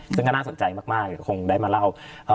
ซึ่งก็น่าสนใจมากคงได้มาเล่า